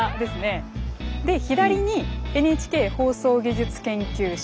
で左にＮＨＫ放送技術研究所。